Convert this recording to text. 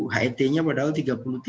het nya padahal tiga puluh tiga